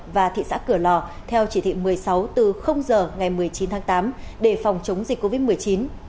và thị xã cửa lò theo chỉ thị một mươi sáu từ giờ ngày một mươi chín tháng tám để phòng chống dịch covid một mươi chín